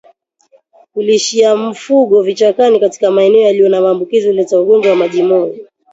Kulishia mifugo vichakani katika maeneo yaliyo na maambukizi huleta ugonjwa wa majimoyo